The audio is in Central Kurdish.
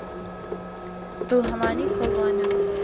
دڵ هەمانەی کۆڵوانە